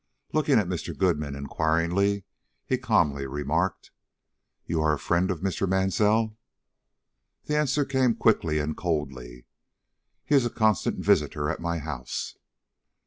Looking at Mr. Goodman inquiringly, he calmly remarked: "You are a friend of Mr. Mansell?" The answer came quick and coldly: "He is a constant visitor at my house."